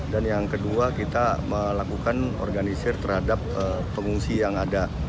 dan yang kedua kita melakukan organisir terhadap pengungsi yang ada